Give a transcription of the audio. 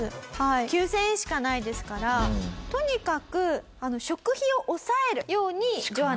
９０００円しかないですからとにかく食費を抑えるようにジョアナさんなりました。